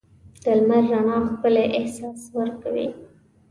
د لمر رڼا ښکلی احساس ورکوي.